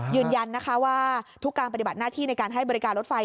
ยืนยันนะคะว่าทุกการปฏิบัติหน้าที่ในการให้บริการรถไฟ